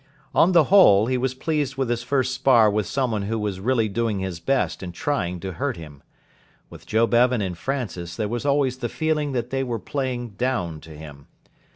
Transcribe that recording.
On the whole, he was pleased with his first spar with someone who was really doing his best and trying to hurt him. With Joe Bevan and Francis there was always the feeling that they were playing down to him.